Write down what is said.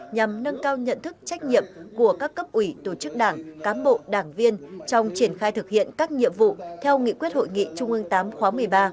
nhằm nâng cao nhận thức trách nhiệm của các cấp ủy tổ chức đảng cám bộ đảng viên trong triển khai thực hiện các nhiệm vụ theo nghị quyết hội nghị trung ương viii khóa một mươi ba